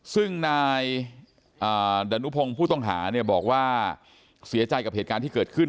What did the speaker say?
ซึ่งนายดานุพงศ์ผู้ต้องหาเนี่ยบอกว่าเสียใจกับเหตุการณ์ที่เกิดขึ้น